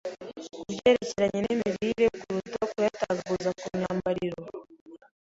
ku byerekeranye n’imirire kuruta kuyatagaguza ku myambaro.